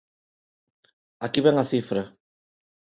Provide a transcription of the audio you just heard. Aquí ven a cifra.